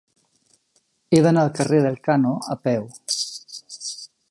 He d'anar al carrer d'Elkano a peu.